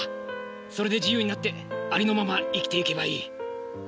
それで自由になってありのまま生きていけばいい。